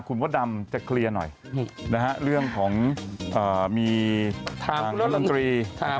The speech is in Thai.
คุณพ่อดำจะเคลียร์หน่อยเรื่องของมีทางรังกรี